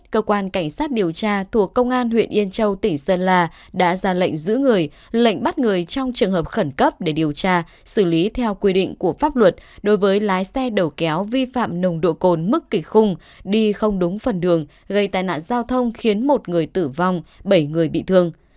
cơ quan cảnh sát điều tra thuộc công an huyện yên châu tỉnh sơn la đã ra lệnh giữ người lệnh bắt người trong trường hợp khẩn cấp để điều tra xử lý theo quy định của pháp luật đối với lái xe đầu kéo vi phạm nồng độ cồn mức kịch khung đi không đúng phần đường gây tai nạn giao thông khiến một người tử vong bảy người bị thương